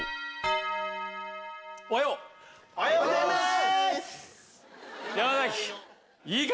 おはようございます！